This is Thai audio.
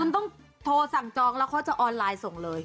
มันต้องโทรสั่งจองแล้วเขาจะออนไลน์ส่งเลย